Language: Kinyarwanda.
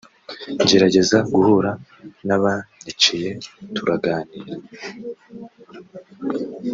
ngerageza guhura n’abanyiciye turaganira